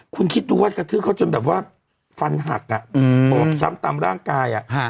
คุณคิดดูว่ากระทืบเขาจนแบบว่าฟันหักบอบช้ำตามร่างกาย